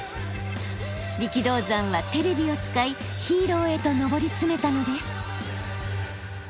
力道山はテレビを使いヒーローへと上り詰めたのです。